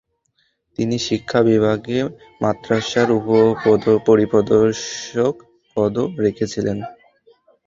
তিনি শিক্ষা বিভাগে মাদ্রাসার উপ-পরিদর্শক পদও রেখেছিলেন।